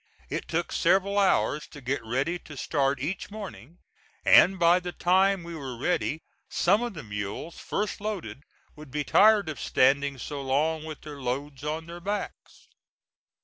It took several hours to get ready to start each morning, and by the time we were ready some of the mules first loaded would be tired of standing so long with their loads on their backs.